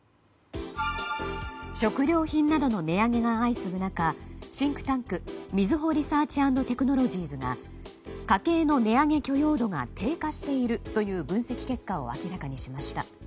食料品などの値上げが相次ぐ中シンクタンク、みずほリサーチ＆テクノロジーズが家計の値上げ許容度が低下しているという分析結果を明らかにしました。